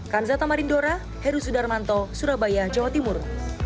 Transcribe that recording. kanzata marindora heru sudarmanto surabaya jawa timur